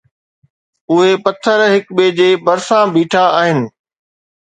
اهي پٿر هڪ ٻئي جي ڀرسان بيٺا آهن